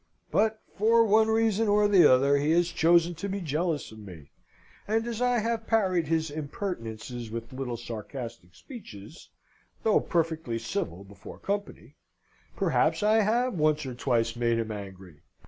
But for one reason or the other he has chosen to be jealous of me, and as I have parried his impertinences with little sarcastic speeches (though perfectly civil before company), perhaps I have once or twice made him angry.